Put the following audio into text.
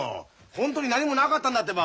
ホントに何もなかったんだってば。